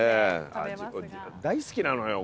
大好きなのよ